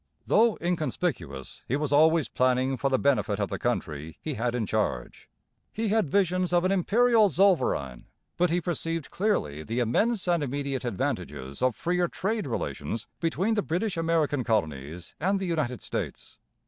Though inconspicuous, he was always planning for the benefit of the country he had in charge. He had visions of an Imperial zollverein, but he perceived clearly the immense and immediate advantages of freer trade relations between the British American colonies and the United States.